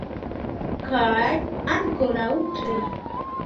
Kaj ankoraŭ tri.